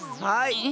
はい。